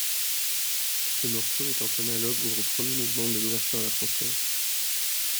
Ce morceau étant analogue au premier mouvement de l'ouverture à la française.